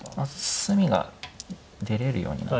隅が出れるようになる。